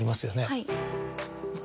はい。